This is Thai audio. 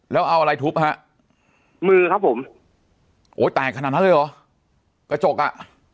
แล้วเอาอะไรทุบครับมือครับผมโหตายขนาดนั้นเลยหรอกระจกอ่ะ